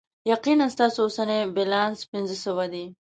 یقینا، ستاسو اوسنی بیلانس پنځه سوه دی.